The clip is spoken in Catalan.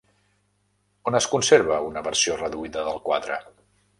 On es conserva una versió reduïda del quadre?